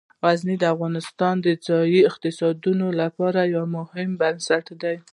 غزني د افغانستان د ځایي اقتصادونو لپاره یو مهم بنسټ دی.